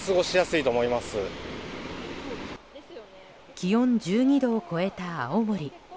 気温１２度を超えた青森。